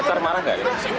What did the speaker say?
pacar marah gak